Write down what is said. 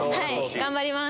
頑張ります。